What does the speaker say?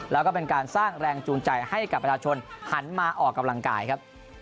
แล้วก็เป็นการสร้างแรงจูงใจให้กับประชาชนหันมาออกกำลังกายครับ